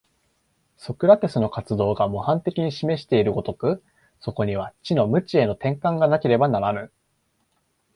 ソクラテスの活動が模範的に示している如く、そこには知の無知への転換がなければならぬ。